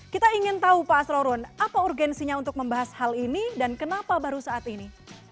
kita ingin tahu pak asrorun apa urgensinya untuk membahas hal ini dan kenapa baru saat ini